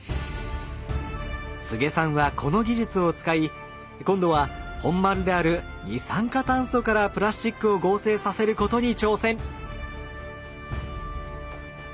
柘植さんはこの技術を使い今度は本丸である二酸化炭素からプラスチックを合成させることに挑戦！